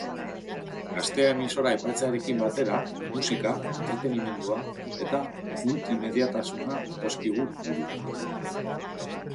Gaztea emisora aipatzearekin batera, musika, entretenimendua eta multimediatasuna datozkigu burura.